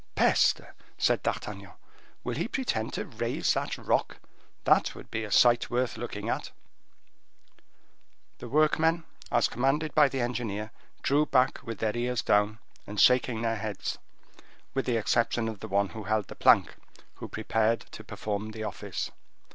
"Peste!" said D'Artagnan, "will he pretend to raise that rock? that would be a sight worth looking at." The workmen, as commanded by the engineer, drew back with their ears down, and shaking their heads, with the exception of the one who held the plank, who prepared to perform the office.